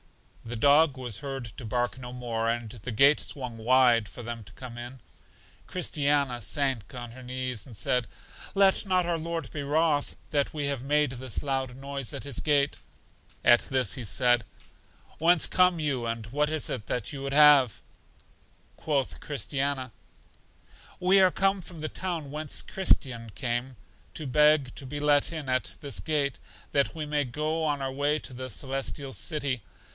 The dog was heard to bark no more, and the gate swung wide for them to come in. Christiana sank on her knees, and said, Let not our Lord be wroth that we have made this loud noise at His gate. At this He said: Whence come you, and what is it that you would have? Quoth Christiana: We are come from the town whence Christian came, to beg to be let in at this gate, that we may go on our way to The Celestial City.